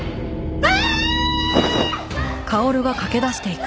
ああ。